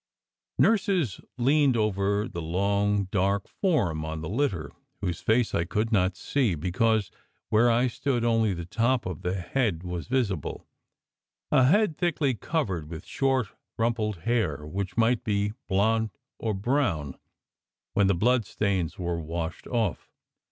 Nurses leaned over the long dark form on the litter, whose face I could not see, because where I stood only the top of the head was visible, a head thickly covered with short rumpled hair, which might be blond or brown when the blood stains were washed off.